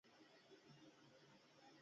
آیا عرق نعنا د معدې لپاره نه دی؟